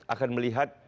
akan melihat terinspirasi